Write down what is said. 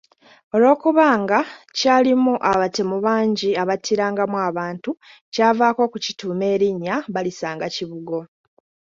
Olw’okuba nga kyalimu abatemu bangi abattirangamu abantu, kyavaako okukituuma erinnya Balisangakibugo.